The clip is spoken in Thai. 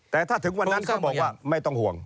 แต่ถ้าถึงวันนั้นเขาบอกว่าไม่ต้องห่วง